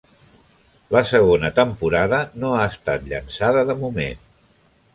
La segona temporada no ha estat llançada de moment.